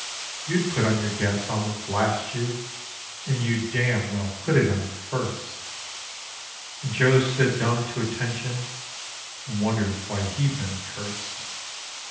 You'd put on your gas helmet, blast you, and you'd damn well put it on first!' And Joe stood dumb to attention, and wondered why he'd been cursed."